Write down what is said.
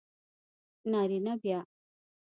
نارینه بیا